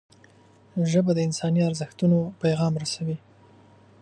ژبه د انساني ارزښتونو پیغام رسوي